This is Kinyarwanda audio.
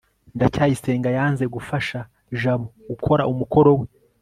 ndacyayisenga yanze gufasha jabo gukora umukoro we